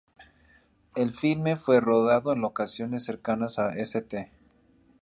El filme fue rodado en locaciones cercanas a St.